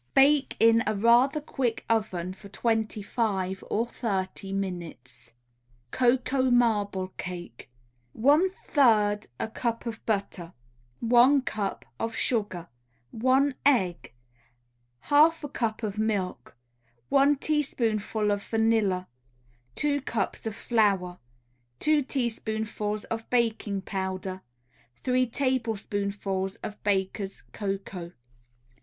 Bake in a rather quick oven for twenty five or thirty minutes. COCOA MARBLE CAKE 1/3 a cup of butter, 1 cup of sugar, 1 egg, 1/2 a cup of milk, 1 teaspoonful of vanilla, 2 cups of flour, 2 teaspoonfuls of baking powder, 3 tablespoonfuls of Baker's Cocoa.